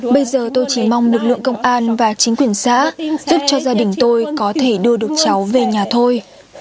bây giờ tôi chỉ mong lực lượng công an và chính quyền xã giúp cho gia đình tôi có thể đưa được cháu về nhà thôi